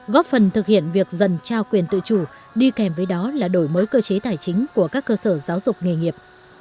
góp phần thực hiện việc dần trao quyền tự chủ đi kèm với đó là đổi mới cơ chế tài chính của các cơ sở giáo dục nghề nghiệp